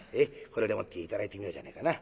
これでもって頂いてみようじゃねえかな。